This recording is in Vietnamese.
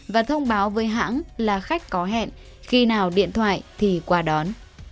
và thông báo với hãng là khách có hẹn khi nào điện thoại thì qua đón